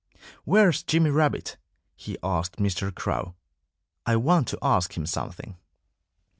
"Where's Jimmy Rabbit?" he asked Mr. Crow. "I want to ask him something."